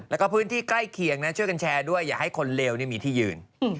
แล้วก็พื้นที่ใกล้เคียงนะช่วยกันแชร์ด้วยอย่าให้คนเลวมีที่ยืน